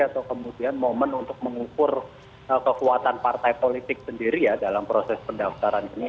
atau kemudian momen untuk mengukur kekuatan partai politik sendiri ya dalam proses pendaftaran ini